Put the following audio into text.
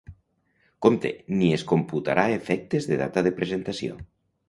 Compte ni es computarà a efectes de data de presentació.